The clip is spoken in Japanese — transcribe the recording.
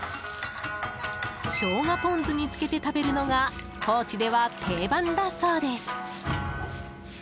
ショウガポン酢につけて食べるのが高知では定番だそうです。